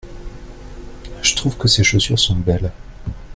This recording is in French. Je trouve que ces chaussures sont belles.